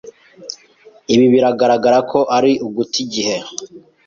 Ibi biragaragara ko ari uguta igihe.